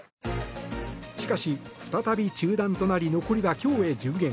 しかし再び中断となり残りは今日へ順延。